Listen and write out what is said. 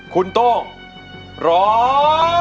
คุณโตร้อง